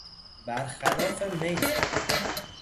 برخلاف میلم